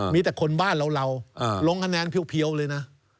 มีแต่คนบ้านเราลงคะแนนเพียวเลยนะ